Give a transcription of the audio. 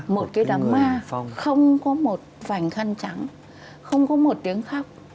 một cái đám ma không có một vành khăn trắng không có một tiếng khóc